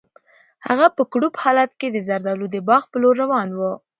هغه په کړوپ حالت کې د زردالو د باغ په لور روان و.